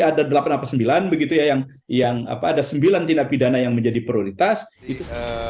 ada delapan apa sembilan begitu yang yang apa ada sembilan tindak pidana yang menjadi prioritas itu